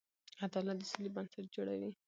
عدالت د سولې بنسټ جوړوي.